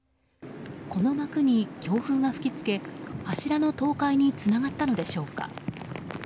この幕に強風が吹きつけ柱の倒壊につながったのでしょうか。